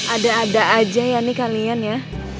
ada ada aja ya nih kalian ya